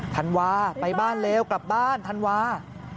ธันวาไปบ้านเร็วกลับบ้านธันวา